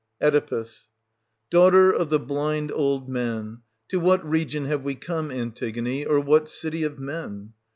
Oedipus. Daughter of the blind old man, to what region have we come, Antigone, or what city of men